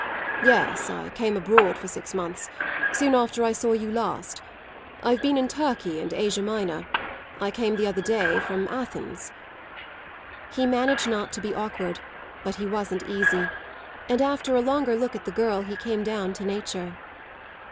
"Yes, I came abroad for six months soon after I saw you last. I've been in Turkey and Asia Minor; I came the other day from Athens." He managed not to be awkward, but he wasn't easy, and after a longer look at the girl he came down to nature.